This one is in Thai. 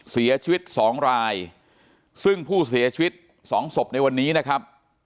เสียชีวิตสองรายซึ่งผู้เสียชีวิตสองศพในวันนี้นะครับ